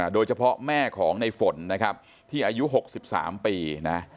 โดยเฉพาะแม่ของในฝนนะครับที่อายุ๖๓ปีนะ